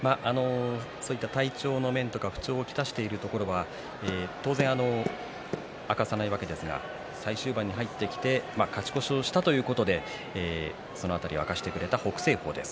体調の面や不調をきたしているところは、当然明かさないわけですが最終盤に入ってきて勝ち越しをしたということでその辺りを明かしてくれた北青鵬です。